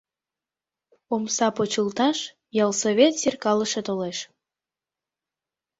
Омса почылташ, ялсовет серкалыше толеш.